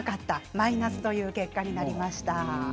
マイナスという結果になりました。